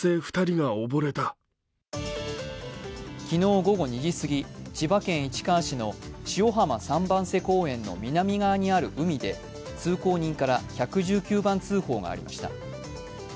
昨日午後２時過ぎ千葉県市川市の塩浜三番瀬公園の南側にある海で通行人から１１９番通報がありました。